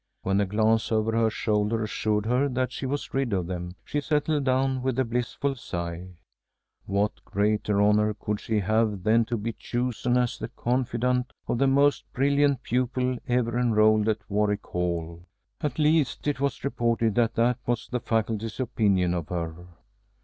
When a glance over her shoulder assured her that she was rid of them, she settled down with a blissful sigh. What greater honor could she have than to be chosen as the confidante of the most brilliant pupil ever enrolled at Warwick Hall? At least it was reported that that was the faculty's opinion of her.